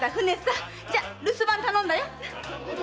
じゃ留守番頼んだよ。